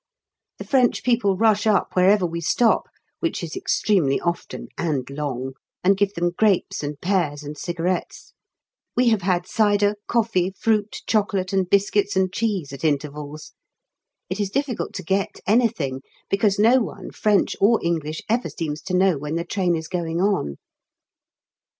The French people rush up wherever we stop (which is extremely often and long) and give them grapes and pears and cigarettes. We have had cider, coffee, fruit, chocolate, and biscuits and cheese at intervals. It is difficult to get anything, because no one, French or English, ever seems to know when the train is going on.